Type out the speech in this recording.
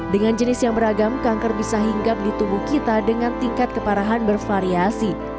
dengan jenis yang beragam kanker bisa hinggap di tubuh kita dengan tingkat keparahan bervariasi